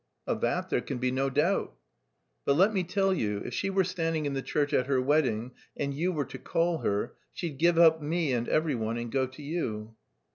"Of that there can be no doubt." "But let me tell you, if she were standing in the church at her wedding and you were to call her, she'd give up me and every one and go to you."